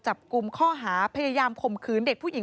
จับกลุ่มข้อหาพยายามผมคืน